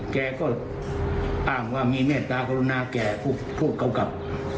แกก็อ้างว่ามีเมตตากรุณาแก่พวกกำกับ